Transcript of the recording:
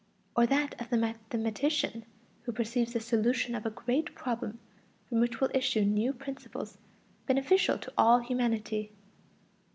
Or that of the mathematician who perceives the solution of a great problem, from which will issue new principles beneficial to all humanity.